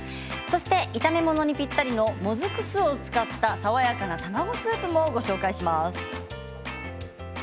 そして炒め物にぴったりのもずく酢を使った爽やかな卵スープもご紹介します。